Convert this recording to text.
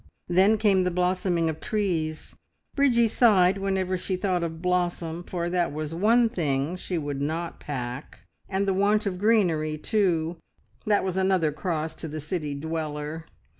Then came the blossoming of trees. Bridgie sighed whenever she thought of blossom, for that was one thing which would not pack; and the want of greenery too, that was another cross to the city dweller.